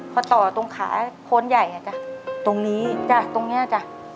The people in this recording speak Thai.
พอต่อตรงขาโคนใหญ่อ่ะจ้ะตรงนี้จ้ะตรงเนี้ยจ้ะ